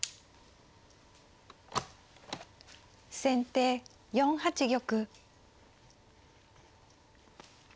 先手４八玉。